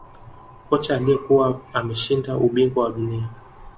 Kocha aliyekuwa ameshinda ubingwa wa dunia